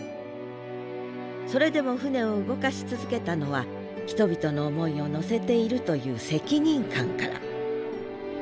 それでも船を動かし続けたのは人々の思いを乗せているという責任感から。